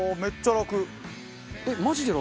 えっマジで楽！